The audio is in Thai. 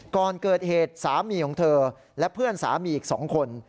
ก่อนเกิดเหตุสามีของเธอและเพื่อนสามีอีก๒คน